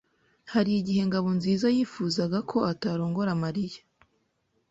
Hari igihe Ngabonzizayifuzaga ko atarongora Mariya.